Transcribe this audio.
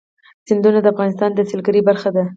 سیندونه د افغانستان د سیلګرۍ برخه ده.